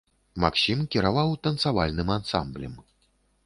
Максім кіраваў танцавальным ансамблем.